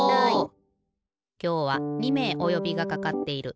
きょうは２めいおよびがかかっている。